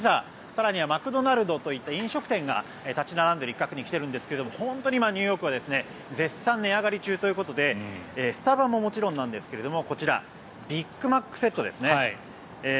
更にはマクドナルドといった飲食店が立ち並んでいる一角に来ているんですが本当に今、ニューヨークは絶賛値上がり中ということでスタバももちろんなんですがこちらビッグマックセットですね。